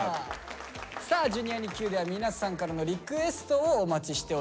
さあ「Ｊｒ．にＱ」では皆さんからのリクエストをお待ちしております。